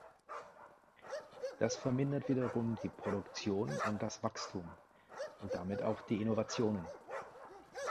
Das vermindert wiederum die Produktion und das Wachstum, und damit auch die Innovationen.